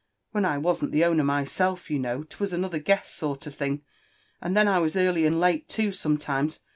"When I wasn't the owner myself, you know, 'twas another guess sort of thing; —and then I was early and late too sometimes.